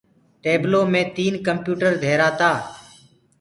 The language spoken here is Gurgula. ٽيبلو مي تين ڪمپيوٽر ڌيرآ تآ